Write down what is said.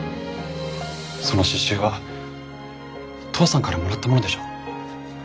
その詩集は父さんからもらったものでしょ？